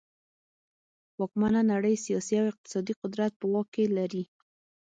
واکمنه کړۍ سیاسي او اقتصادي قدرت په واک کې لري.